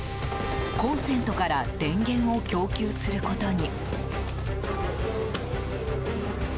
コンセントから電源を供給することに。